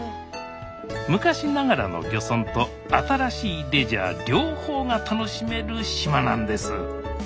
昔ながらの漁村と新しいレジャー両方が楽しめる島なんです